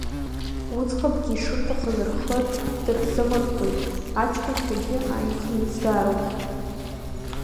Уӡӷабгьы ишырҭахыз рхы дырзамырхәеит, аҷкәынцәагьы ааимхны изгароуп.